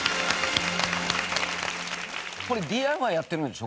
これＤＩＹやってるんでしょ？